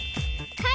はい！